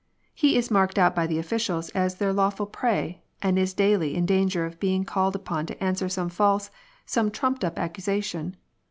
He is marked out by the officials as their lawful prey, and is daily in dauger of being called upon to answer some false, some trumped up accusa tion.